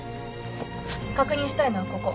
確認したいのはここ。